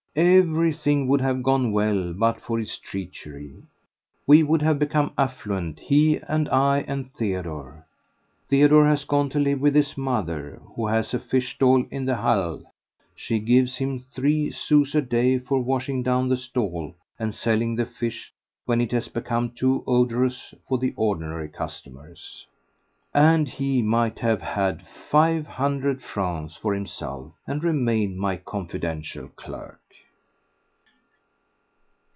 Everything would have gone well but for his treachery. We would have become affluent, he and I and Theodore. Theodore has gone to live with his mother, who has a fish stall in the Halles; she gives him three sous a day for washing down the stall and selling the fish when it has become too odorous for the ordinary customers. And he might have had five hundred francs for himself and remained my confidential clerk.